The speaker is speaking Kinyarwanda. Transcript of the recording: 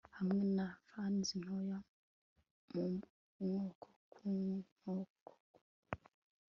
Hamwe na fernes ntoya mu mwobo ku nkokora